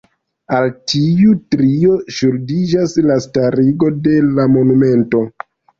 Al tiu trio ŝuldiĝas la starigo de la monumento.